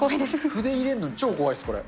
筆入れるのに、超怖いです、これ。